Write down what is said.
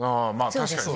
確かに。